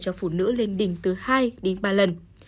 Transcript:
cho phụ nữ lên đỉnh từ hai đến ba lần